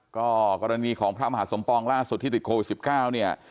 ก็กรณีของพระมหาสมปองล่าสุดที่ติดโควิด๑๙เนี่ย